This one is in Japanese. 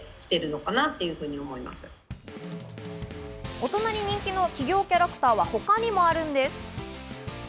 大人に人気の企業キャラクターは他にもあるんです。